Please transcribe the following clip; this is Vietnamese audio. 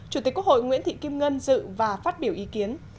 chủ tịch quốc hội nguyễn thị kim ngân dự và phát biểu ý kiến